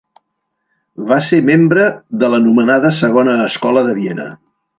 Va ser membre de l'anomenada Segona Escola de Viena.